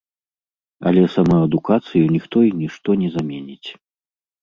Але самаадукацыю ніхто і нішто не заменіць.